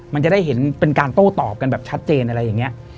มันจะได้เห็นเป็นการโต้ตอบกันแบบชัดเจนอะไรอย่างนี้